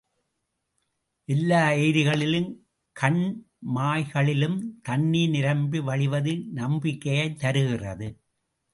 எல்லா ஏரிகளிலும் கண்மாய்களிலும் தண்ணீர் நிரம்பி வழிவது நம்பிக்கையைத் தருகிறது.